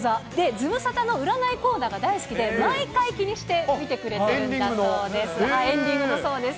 ズムサタの占いコーナーが大好きで、毎回気にして見てくれてるんだそうです。